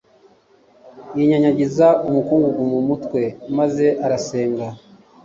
yinyanyagiza umukungugu mu mutwe, maze arasenga